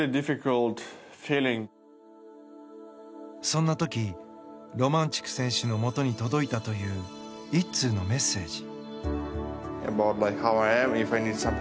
そんな時ロマンチュク選手のもとに届いたという１通のメッセージ。